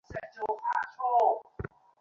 কিংবা ভেবেছিলাম, জানতাম।